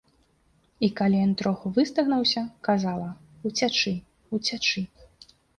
І калі ён троху выстагнаўся, казала: «Уцячы, уцячы…»